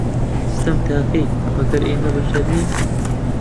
ستەم تا کەی، مەگەر ئێمە بەشەر نین